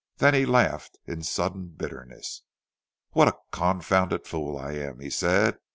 Then he laughed in sudden bitterness. "What a confounded fool I am!" he said.